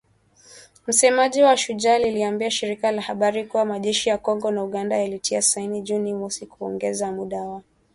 Msemaji wa Shujaa, aliliambia shirika la habari kuwa majeshi ya Kongo na Uganda yalitia saini Juni mosi kuongeza muda wa operesheni zao za kijeshi.